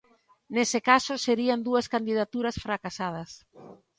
Nese caso, serían dúas candidaturas fracasadas.